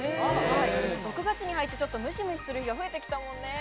６月に入って、ちょっとむしむしする日が増えてきたもんね。